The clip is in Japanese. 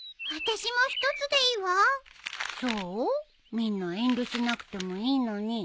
みんな遠慮しなくてもいいのに。